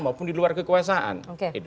maupun di luar kekuasaan